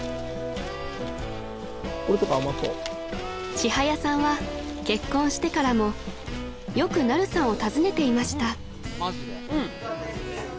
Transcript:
［ちはやさんは結婚してからもよくナルさんを訪ねていました］